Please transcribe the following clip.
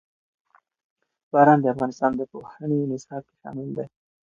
باران د افغانستان د پوهنې نصاب کې شامل دي.